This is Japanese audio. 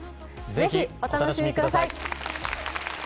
ぜひお楽しみください。